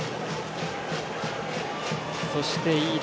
そして、飯田